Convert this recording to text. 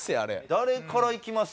誰からいきます？